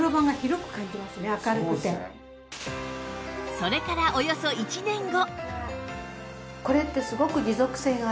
それからおよそ１年後